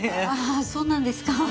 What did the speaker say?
ああそうなんですか。